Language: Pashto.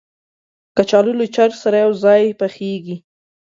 کچالو له چرګ سره یو ځای پخېږي